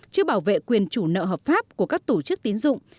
chưa bảo vệ quyền chủ nợ hợp pháp của các tổ chức tín dụng